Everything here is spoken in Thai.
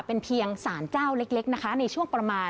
เป็นเพียงสารเจ้าเล็กนะคะ